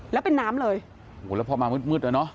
แล้วเป็นน้ำเลยโหแล้วพอมามืดแล้วเนอะ